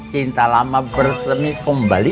cinta lama bersemi kembali